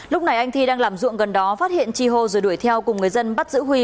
lúc này anh thi đang làm ruộng gần đó phát hiện chi hô rồi đuổi theo cùng người dân bắt giữ huy